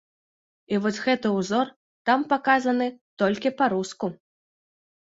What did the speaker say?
І вось гэты ўзор там паказаны толькі па-руску.